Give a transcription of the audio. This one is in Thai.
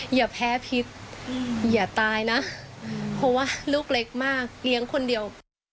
อย่าแพ้พิษอย่าตายนะเพราะว่าลูกเล็กมากเลี้ยงคนเดียว